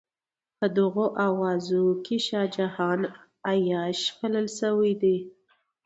په دغو اوازو کې شاه جهان عیاش بلل شوی دی.